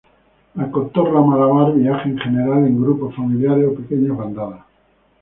La cotorra malabar viaja en general en grupos familiares o pequeñas bandadas.